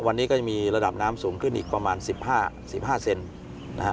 วันนี้ก็ยังมีระดับน้ำสูงขึ้นอีกประมาณสิบห้าสิบห้าเซนนะฮะ